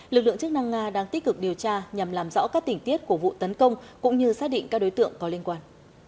lực lượng chức năng nga đang tích cực điều tra nhằm làm rõ các tình tiết của vụ tấn công cũng như xác định các đối tượng có liên quan